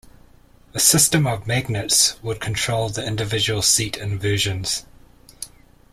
A system of magnets would control the individual seat inversions.